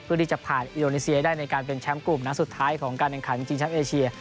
ที่จะผ่านอินโดนีเซียได้ในการเป็นแชมป์กลุ่มนัดสุดท้ายของการแข่งขันจริงแชมป์เอเชีย